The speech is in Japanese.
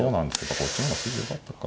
こっちの方が筋よかったか。